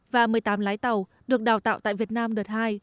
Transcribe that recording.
và một mươi tám lái tàu được đào tạo tại việt nam đợt hai